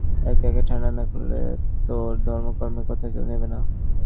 এঁকে আগে ঠাণ্ডা না করলে, তোর ধর্মকর্মের কথা কেউ নেবে না।